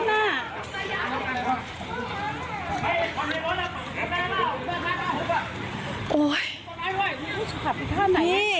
ในรถข้างหน้า